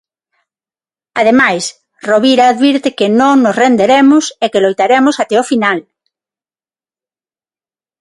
Ademais, Rovira advirte que "non nos renderemos" e que "loitaremos até o final".